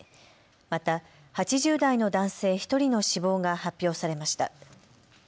また８０代の男性１人の死亡が発表されました。